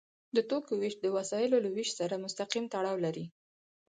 د توکو ویش د وسایلو له ویش سره مستقیم تړاو لري.